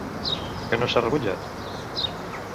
Què no s'ha rebutjat?